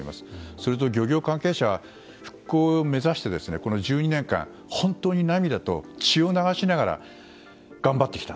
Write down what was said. それと漁業関係者は復興を目指してこの１２年間本当に涙と血を流しながら頑張ってきた。